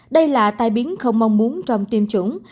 đây là tai biến không mong muốn trong tiêm chủng